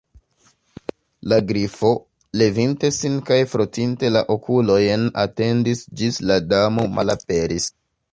La Grifo, levinte sin kaj frotinte la okulojn, atendis ĝis la Damo malaperis.